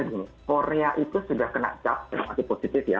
tapi sampai lagi korea itu sudah kena cap masih positif ya